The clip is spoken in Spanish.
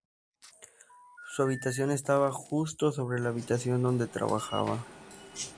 Su habitación estaba justo sobre la habitación donde trabajaba.